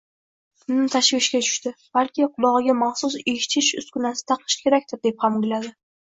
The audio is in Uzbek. Bundan tashvishga tushdi, balki qulogʻiga maxsus eshitish uskunasi taqishi kerakdir deb ham oʻyladi